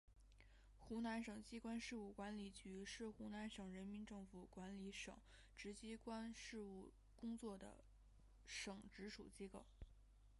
湖南省机关事务管理局是湖南省人民政府管理省直机关事务工作的省直属机构。